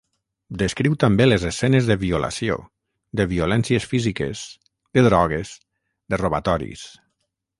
Descriu també les escenes de violació, de violències físiques, de drogues, de robatoris.